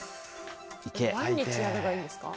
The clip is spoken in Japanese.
これ毎日やればいいんですか？